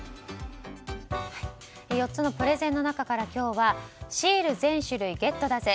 ４つのプレゼンの中から今日はシール全種類ゲットだぜ！